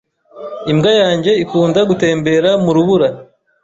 Imbwa yanjye ikunda gutembera mu rubura.